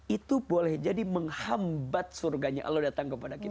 itu boleh jadi menghambat surganya allah datang kepada kita